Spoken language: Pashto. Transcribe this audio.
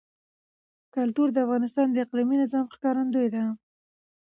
کلتور د افغانستان د اقلیمي نظام ښکارندوی ده.